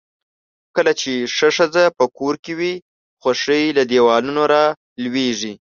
کله چې ښه ښځۀ پۀ کور کې وي، خؤښي له دیوالونو را لؤیږي.